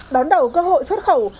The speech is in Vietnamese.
đón đầu cơ hội xuất khẩu